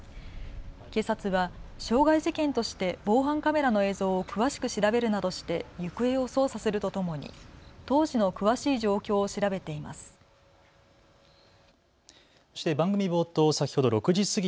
警察は傷害事件として防犯カメラの映像を詳しく調べるなどして行方を捜査するとともに当時の詳しい状況を調べています。